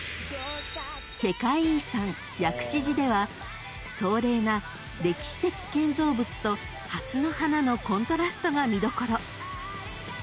［世界遺産薬師寺では壮麗な歴史的建造物とハスの花のコントラストが見どころ］